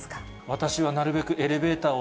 私はなるべくエレベーターを